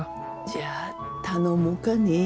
じゃあ頼もうかね。